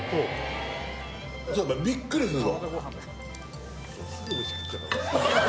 びっくりするぞ。